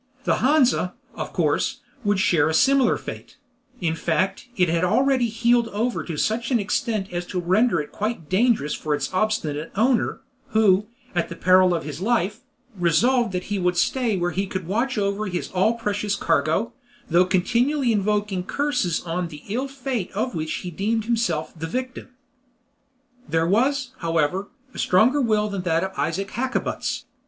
The Hansa, of course, would share a similar fate; in fact, it had already heeled over to such an extent as to render it quite dangerous for its obstinate owner, who, at the peril of his life, resolved that he would stay where he could watch over his all precious cargo, though continually invoking curses on the ill fate of which he deemed himself the victim. There was, however, a stronger will than Isaac Hakkabut's.